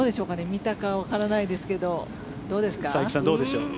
見たかわからないですけどどうですか？